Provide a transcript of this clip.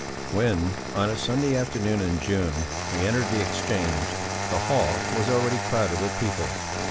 When, on a sunny afternoon in June, he entered the Exchange, the hall was already crowded with people.